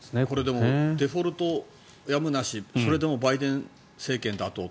でも、デフォルトやむなしそれでもバイデン政権打倒と。